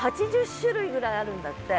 ８０種類ぐらいあるんだって。